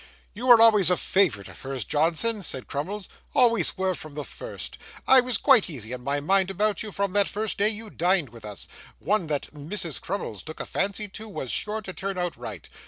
'You were always a favourite of hers, Johnson,' said Crummles, 'always were from the first. I was quite easy in my mind about you from that first day you dined with us. One that Mrs. Crummles took a fancy to, was sure to turn out right.